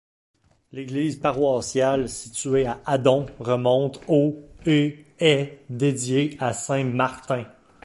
L’église paroissiale située à Adompt remonte au et est dédiée à saint Martin.